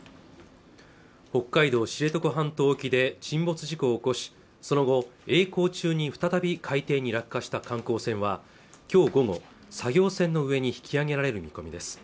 北海道知床半島沖で沈没事故を起こしその後えい航中に再び海底に落下した観光船はきょう午後作業船の上に引き揚げられる見込みです